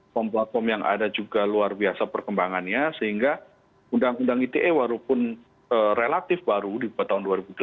platform yang ada juga luar biasa perkembangannya sehingga undang undang ite walaupun relatif baru dibuat tahun dua ribu delapan belas